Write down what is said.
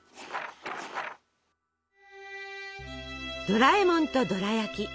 ドラえもんとドラやき。